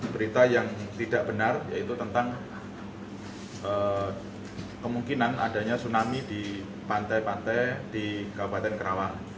berita yang tidak benar yaitu tentang kemungkinan adanya tsunami di pantai pantai di kabupaten kerawang